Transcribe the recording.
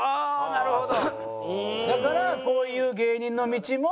なるほど。